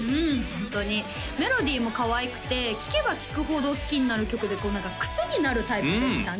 ホントにメロディーもかわいくて聴けば聴くほど好きになる曲でクセになるタイプでしたね